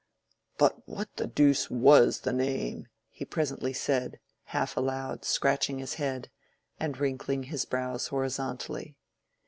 "But what the deuce was the name?" he presently said, half aloud, scratching his head, and wrinkling his brows horizontally.